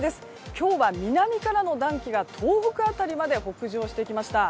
今日は南からの暖気が東北辺りまで北上してきました。